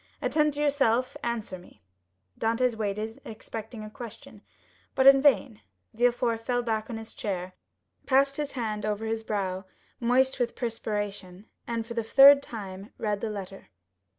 Attend to yourself; answer me." Dantès waited, expecting a question, but in vain. Villefort fell back on his chair, passed his hand over his brow, moist with perspiration, and, for the third time, read the letter.